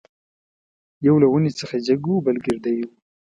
یو له ونې څخه جګ وو بل ګردی وو.